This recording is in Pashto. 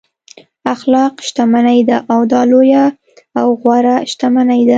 اخلاق شتمني ده دا لویه او غوره شتمني ده.